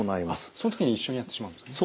その時に一緒にやってしまうんですね。